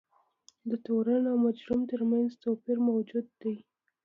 د تورن او مجرم ترمنځ توپیر موجود دی.